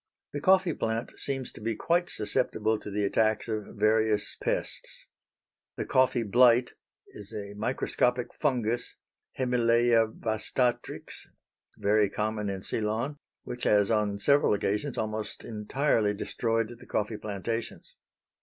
The coffee plant seems to be quite susceptible to the attacks of various pests. The coffee blight is a microscopic fungus (Hemileia vastatrix) very common in Ceylon which has on several occasions almost entirely destroyed the coffee plantations.